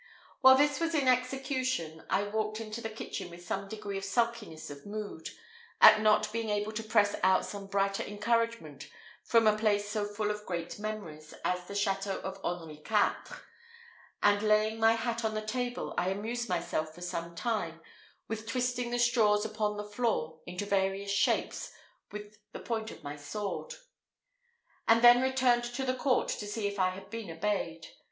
While this was in execution, I walked into the kitchen with some degree of sulkiness of mood, at not being able to press out some brighter encouragement from a place so full of great memories as the château of Henri Quatre, and laying my hat on the table, I amused myself, for some time, with twisting the straws upon the floor into various shapes with the point of my sword; and then returned to the court to see if I had been obeyed.